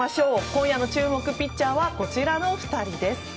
今夜の注目ピッチャーはこちらの２人です。